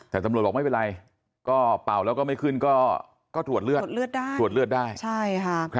แต่ตำรวจบอกไม่เป็นไรก็เปล่าแล้วก็ไม่ขึ้นก็ถวดเลือดได้